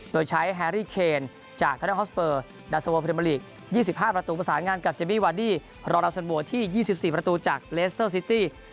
โดยใช้แฮรี่เคนจากไทนัลฮอสเบอร์ดัสเวอร์เพิร์มอลิก๒๕ประตูประสานงานกับเจมมี่วาดี้รอยลับสันบัวที่๒๔ประตูจากเลสเตอร์ซิตี้